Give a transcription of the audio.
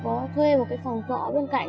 và rách trưới nằm không xa hà nội